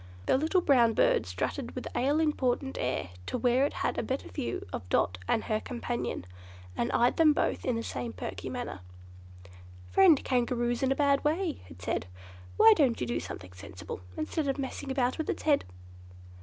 The little brown bird strutted with all important air to where it had a better view of Dot and her companion, and eyed them both in the same perky manner. "Friend Kangaroo's in a bad way," it said; "why don't you do something sensible, instead of messing about with its head?"